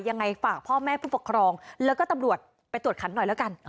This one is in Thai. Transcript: ยังไงฝากพ่อแม่ผู้ปกครองแล้วก็ตำรวจไปตรวจขันหน่อยแล้วกัน